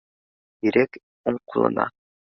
— Ирек уң ҡулына